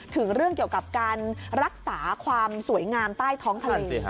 ถึงเรื่องเกี่ยวกับการรักษาความสวยงามใต้ท้องทะเล